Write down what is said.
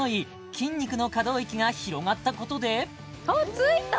筋肉の可動域が広がったことであっついた！